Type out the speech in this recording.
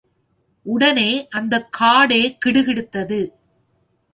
உடனே அந்தக் காடே கிடுகிடுத்தது.